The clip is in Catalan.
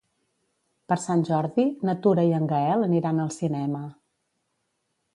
Per Sant Jordi na Tura i en Gaël aniran al cinema.